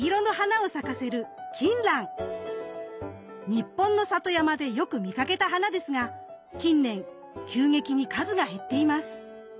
日本の里山でよく見かけた花ですが近年急激に数が減っています。